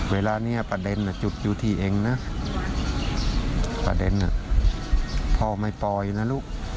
เวลานี้ประเด็นจุดอยู่ที่เองนะประเด็นพ่อไม่ปล่อยนะลูก